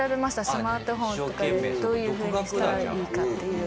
スマートフォンとかでどういうふうにしたらいいかっていう。